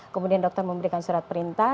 kemudian dokter memberikan surat perintah